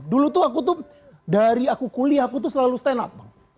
dulu tuh aku tuh dari aku kuliah aku tuh selalu stand up bang